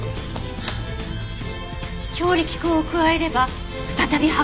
強力粉を加えれば再び発酵が始まり。